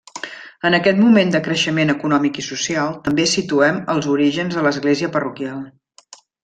En aquest moment de creixement econòmic i social, també situem els orígens de l'església parroquial.